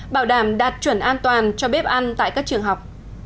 bảo đảm đạt chuẩn an toàn cho bếp ăn tại các trường học